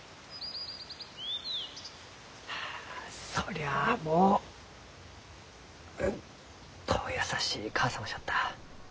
あそりゃあもううんと優しい母様じゃった。